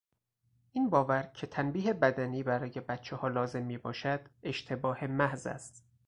این باور کهتنبیه بدنی برای بچهها لازم میباشد اشتباه محض است.